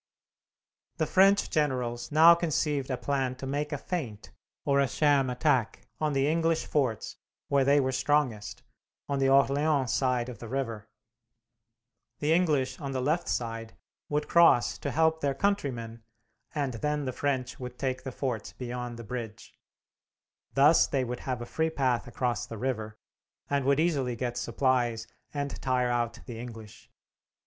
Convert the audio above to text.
The French generals now conceived a plan to make a feint, or a sham attack, on the English forts where they were strongest, on the Orleans side of the river. The English on the left side would cross to help their countrymen, and then the French would take the forts beyond the bridge. Thus they would have a free path across the river, and would easily get supplies, and tire out the English.